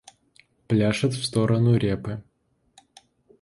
Пляшет в сторону репы.